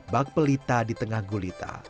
bak pelita di tengah gulita